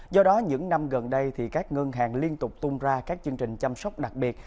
do đó những năm gần đây các ngân hàng liên tục tung ra các chương trình chăm sóc đặc biệt